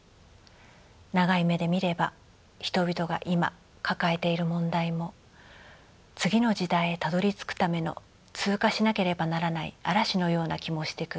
「長い目で見れば人々が今抱えている問題も次の時代へたどりつくための通過しなければならない嵐のような気もしてくる。